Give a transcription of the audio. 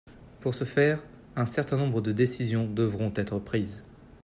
Pour ce faire, un certain nombre de décisions devront être prises.